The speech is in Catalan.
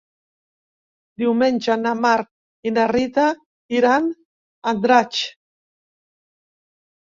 Diumenge na Mar i na Rita iran a Andratx.